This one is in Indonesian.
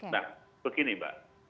nah begini mbak